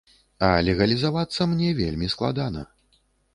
А легалізавацца мне вельмі складана.